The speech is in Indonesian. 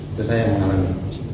itu saya yang mengalami